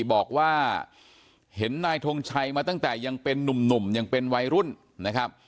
บอกว่าเห็นนายทงชัยมาตั้งแต่ยังเป็นนุ่มยังเป็นวัยรุ่นนะครับ